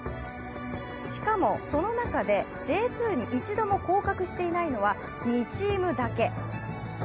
しかも，その中でＪ２に一度も降格していないのは２チームだけ。